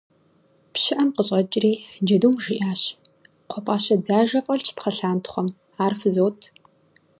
Пщыӏэм къыщӏэкӏри, джэдум жиӏащ: - Кхъуэпӏащэ дзажэ фӏэлъщ пхъэлъантхъуэм, ар фызот.